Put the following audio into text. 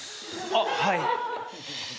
あっはい。